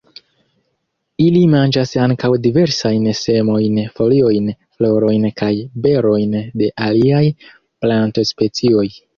Ili manĝas ankaŭ diversajn semojn, foliojn, florojn kaj berojn de aliaj plantospecioj.